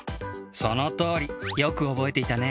そのとおり。よくおぼえていたね。